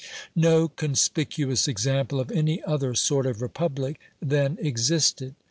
No conspicuous example of any other sort of Republic then existed.